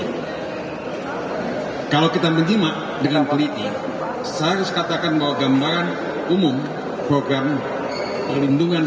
hai kalau kita menyimak dengan peliti seharusnya katakan bahwa gambaran umum program perlindungan